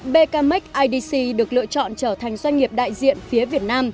bkmac idc được lựa chọn trở thành doanh nghiệp đại diện phía việt nam